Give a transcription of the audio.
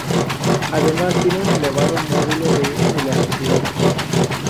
Además tienen un elevado módulo de elasticidad.